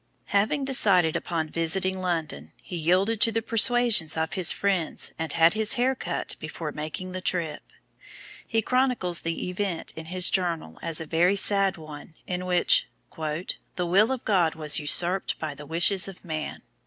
Having decided upon visiting London, he yielded to the persuasions of his friends and had his hair cut before making the trip. He chronicles the event in his journal as a very sad one, in which "the will of God was usurped by the wishes of man."